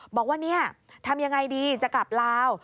บอกว่าทำอย่างไรดีจะกลับลาว